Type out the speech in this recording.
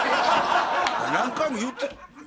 何回も言うてる。